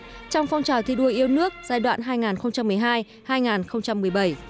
trong phong trào thi đua yêu nước giai đoạn hai nghìn một mươi hai hai nghìn một mươi bảy